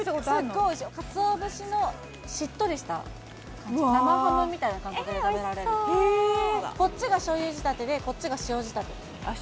すっごいおいしいかつお節のしっとりした感じ生ハムみたいな感覚で食べられるこっちが醤油仕立てでこっちが塩仕立てあっ